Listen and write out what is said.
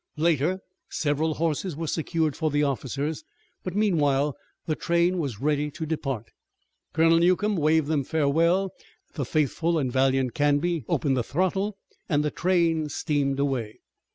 Later, several horses were secured for the officers, but, meanwhile, the train was ready to depart. Colonel Newcomb waved them farewell, the faithful and valiant Canby opened the throttle, and the train steamed away.